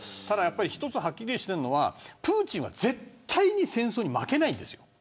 一つはっきりしているのはプーチンは絶対に戦争に負けないです。